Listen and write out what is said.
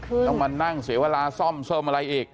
คือต้องมานั่งเสียเวลาซ่อมซ่อมอะไรอีก